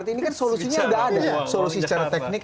ini kan solusinya udah ada solusi secara teknik